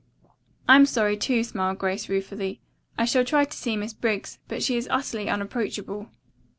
"I'm sorry, too," smiled Grace ruefully. "I shall try to see Miss Briggs, but she is utterly unapproachable."